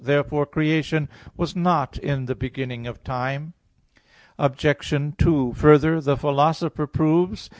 Therefore creation was not in the beginning of time. Obj. 2: Further, the Philosopher proves (Phys.